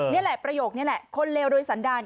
เนี่ยแหละประโยคนี้แหละคนเลวโดยสันดาล